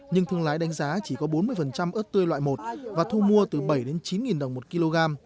nhưng thương lái đánh giá chỉ có bốn mươi ớt tươi loại một và thu mua từ bảy chín đồng một kg